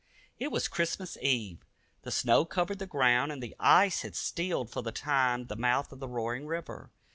It was Christmas Eve. The snow covered the ground, and the ice had stilled for the time the mouth of the roaring river.